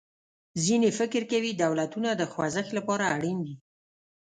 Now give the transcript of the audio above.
ځینې فکر کوي دولتونه د خوځښت له پاره اړین دي.